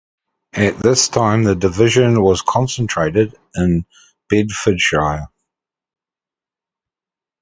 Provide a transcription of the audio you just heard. At this time the division was concentrated in Bedfordshire.